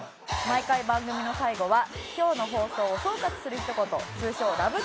毎回番組の最後は今日の放送を総括するひと言通称ラブ！！